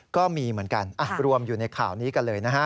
ก็มีเหมือนกันรวมอยู่ในข่าวนี้กันเลยนะฮะ